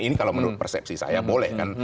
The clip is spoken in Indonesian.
ini kalau menurut persepsi saya boleh kan